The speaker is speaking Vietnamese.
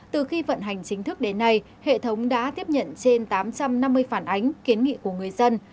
từ khi vận hành chính thức đến nay hệ thống đã tiếp nhận trên tám trăm năm mươi phản ánh kiến nghị của người dân